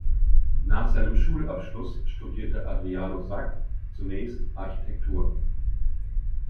Nach seinem Schulabschluss studierte Adriano Sack zunächst Architektur.